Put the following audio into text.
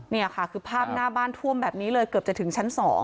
นี่ค่ะคือภาพหน้าบ้านท่วมแบบนี้เลยเกือบจะถึงชั้น๒